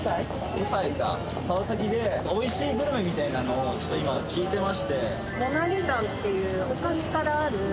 ５歳か川崎でおいしいグルメみたいなのをちょっと今聞いてまして昔からある？